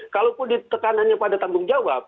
kalaupun di tekanannya pada tanggung jawab